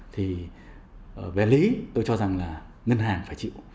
thì về lý tôi cho rằng là ngân hàng phải chịu